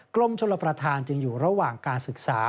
กรมชลประธานจึงอยู่ระหว่างการศึกษา